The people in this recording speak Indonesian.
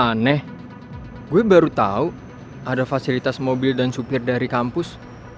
aneh gue baru tahu ada fasilitas mobil dan supir dari kampus